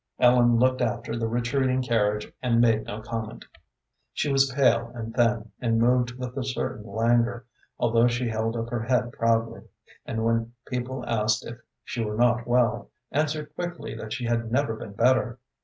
Ellen looked after the retreating carriage, and made no comment. She was pale and thin, and moved with a certain languor, although she held up her head proudly, and when people asked if she were not well, answered quickly that she had never been better.